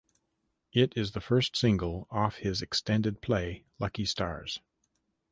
It is the first single off his extended play "Lucky Stars".